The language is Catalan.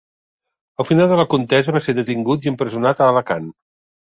Al final de la contesa va ser detingut i empresonat a Alacant.